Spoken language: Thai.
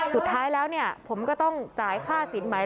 สุดท้ายแล้วผมก็ต้องจ่ายค่าสินไหม